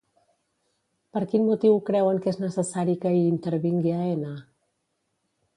Per quin motiu creuen que és necessari que hi intervingui Aena?